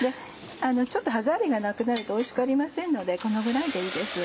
ちょっと歯触りがなくなるとおいしくありませんのでこのぐらいでいいです。